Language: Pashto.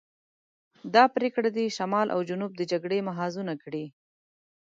دا پرېکړې دې شمال او جنوب د جګړې محاذونه کړي.